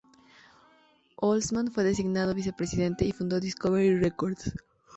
Holzman fue designado vice presidente y fundó Discovery Records.